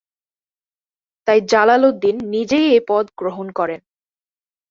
তাই জালালউদ্দিন নিজেই এই পদ গ্রহণ করেন।